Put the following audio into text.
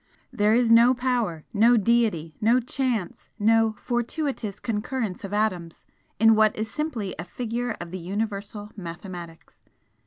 There is no power, no deity, no chance, no 'fortuitous concurrence of atoms' in what is simply a figure of the Universal Mathematics.